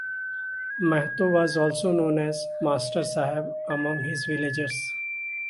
Mahto was also known as "Master Saheb" among his villagers.